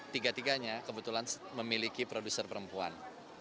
tiga tiganya kebetulan memiliki produser perempuan